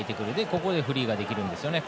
そこでフリーができるんですね。